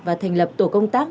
và thành lập tổ công tác